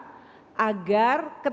agar ketergantungan terhadap ekonomi kita